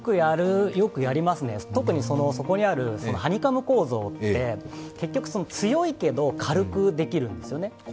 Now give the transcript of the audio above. よくやりますね、特にそこにあるハニカム構造って、結局強いけど軽くできるんですよね。